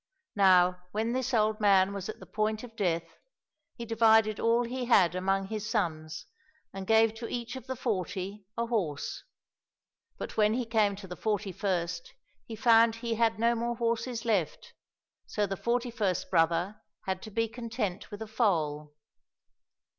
Now when this old man was at the point of death, he divided all he had among his sons, and gave to each of the forty a horse ; but when he came to the forty first he found he had no more horses left, so the forty first brother had to be content with a foal.